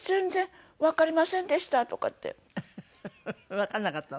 わかんなかったの？